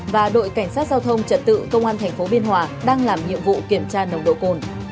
và đội cảnh sát giao thông trật tự công an tp biên hòa đang làm nhiệm vụ kiểm tra nồng độ cồn